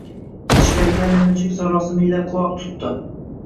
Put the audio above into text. Ichkariga allanechuk sarosima ila quloq tutdi